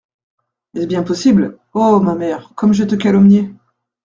Est-ce bien possible ! oh ! ma mère, Comme je te calomniais !